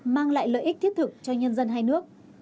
mang lại lợi ích thiết thực cho nhân dân hai nước